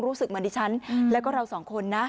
รู้สึกเหมือนดิฉันแล้วก็เราสองคนนะ